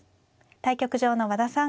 対局場の和田さん